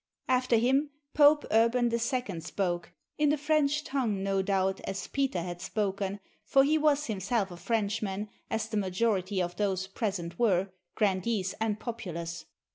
After him. Pope Urban II spoke, in the French tongue, no doubt, as Peter had spoken, for he was himself a Frenchman, as the majority of those present were, grandees and populace.